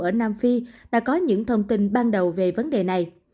ở nam phi đã có những thông tin ban đầu về vấn đề này